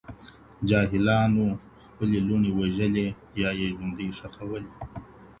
جاهلانو خپلي لوڼي وژلې يا ئې ژوندۍ ښخولې.